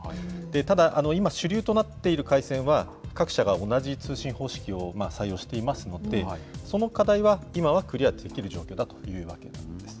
ただ、今、主流となっている回線は、各社が同じ通信方式を採用していますので、その課題は今はクリアできる状況だというわけなんです。